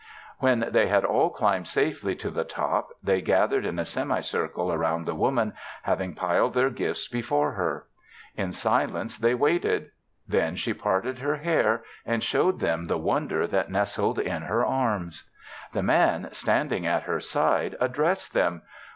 When they had all climbed safely to the top they gathered in a semi circle about the Woman, having piled their gifts before her. In silence they waited; then she parted her hair and showed them the wonder that nestled in her arms. The Man, standing at her side, addressed them.